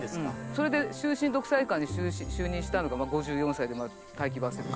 それで終身独裁官に就任したのが５４歳で大器晩成って。